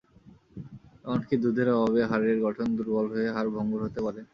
এমনকি দুধের অভাবে হাড়ের গঠন দুর্বল হয়ে হাড় ভঙ্গুর হতে পারে।